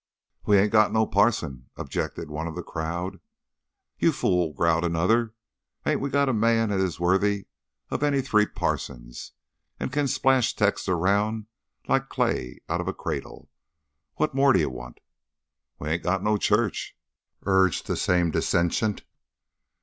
"We hain't got no parson," objected one of the crowd. "Ye fool!" growled another, "hain't we got a man as is worth any three parsons, and can splash texts around like clay out o' a cradle. What more d'ye want?" "We hain't got no church!" urged the same dissentient.